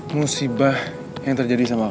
musibah yang terjadi sama